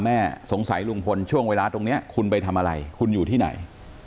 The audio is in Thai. แม่สงสัยลุงพลช่วงเวลาตรงนี้คุณไปทำอะไรคุณอยู่ที่ไหน